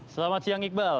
selamat siang iqbal